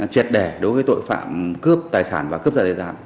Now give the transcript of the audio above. triệt đẻ đối với tội phạm cướp tài sản và cướp giật tài sản